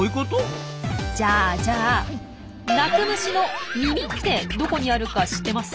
じゃあじゃあ鳴く虫の耳ってどこにあるか知ってます？